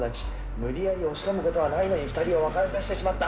無理やり押し込むことはないのに、２人を別れさせてしまった。